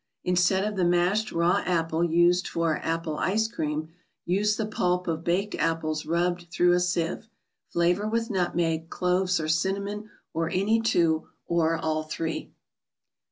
Inste * d J ofthe v ; mashed raw apple used for " Apple Ice Cream," use the pulp of baked apples rubbed through a sieve. Flavor with nut meg, cloves or cinnamon, or any two, or all three.